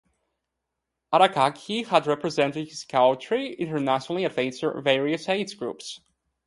Arakaki has represented his country internationally at various age groups.